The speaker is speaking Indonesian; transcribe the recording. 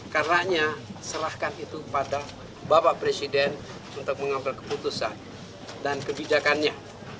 karena serahkan itu pada bapak presiden untuk mengambil keputusan dan kebijakannya